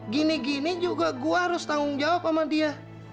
gini gini juga gue harus tanggung jawab sama dia